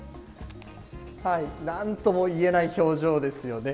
なんともいえない表情ですよね。